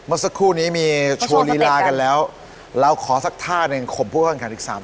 เมื่อสักครู่นี้มีโชว์ศรีรากันแล้วเราขอสักท่าหนึ่งขมพวกกันกันอีกสาม